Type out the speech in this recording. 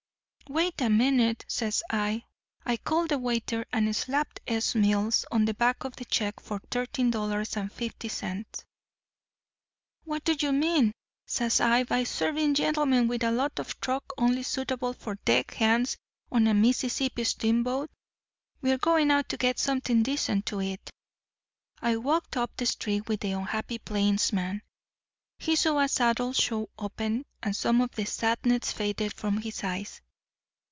"'Wait a minute,' says I. "I called the waiter, and slapped 'S. Mills' on the back of the check for thirteen dollars and fifty cents. "'What do you mean,' says I, 'by serving gentlemen with a lot of truck only suitable for deck hands on a Mississippi steamboat? We're going out to get something decent to eat.' "I walked up the street with the unhappy plainsman. He saw a saddle shop open, and some of the sadness faded from his eyes.